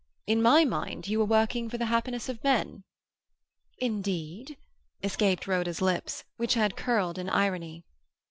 In my mind, you are working for the happiness of men." "Indeed?" escaped Rhoda's lips, which had curled in irony.